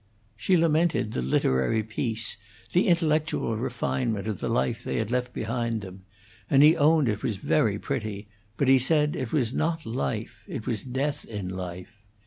She lamented the literary peace, the intellectual refinement of the life they had left behind them; and he owned it was very pretty, but he said it was not life it was death in life.